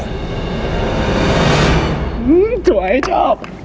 ตัวให้ชอบ